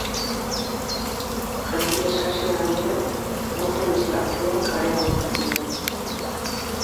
Janari eskasia gainera, mojen estraperloak areagotzen zuen.